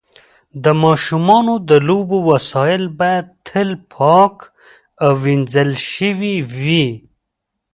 د ماشومانو د لوبو وسایل باید تل پاک او وینځل شوي وي.